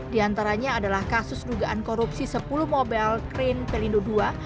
di antaranya adalah kasus dugaan korupsi sepuluh mobil krain pelindo ii